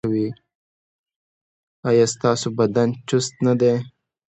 ایا ستاسو بدن چست نه دی؟